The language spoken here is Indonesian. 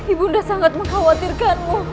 ibu sudah sangat mengkhawatirkanmu